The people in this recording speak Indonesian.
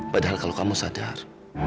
padahal kalau kamu sadar